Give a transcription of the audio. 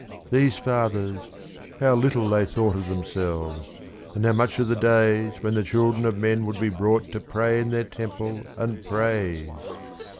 These fathers, how little they thought of themselves, and how much of the days When the children of men would be brought to pray in their temple, and praise!